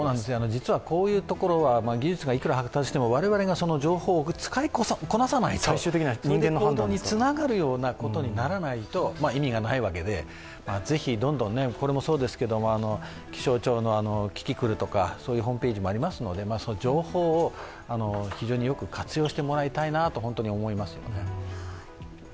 実はこういうところは技術がいくら発達しても我々がその情報を使いこなさないと、それで行動につながるようなことにならないと意味がないわけで、ぜひどんどん気象庁のキキクルとか、ホームページもありますのでその情報をよく活用してもらいたいなと思います。